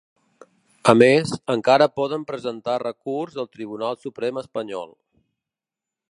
A més, encara poden presentar recurs al Tribunal Suprem espanyol.